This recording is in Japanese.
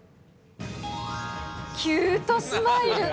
キュートスマイル。